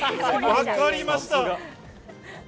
分かりました。